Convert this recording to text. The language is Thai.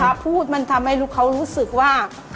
การที่บูชาเทพสามองค์มันทำให้ร้านประสบความสำเร็จ